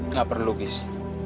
nggak perlu gis